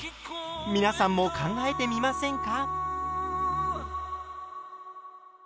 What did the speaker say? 皆さんも考えてみませんか？